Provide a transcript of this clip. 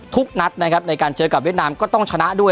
ทุกนัดนะครับในการเจอกับเวียดนามก็ต้องชนะด้วย